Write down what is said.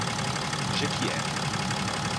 Jequié